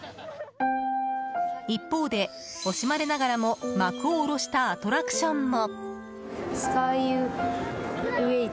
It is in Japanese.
一方で惜しまれながらも幕を下ろしたアトラクションも。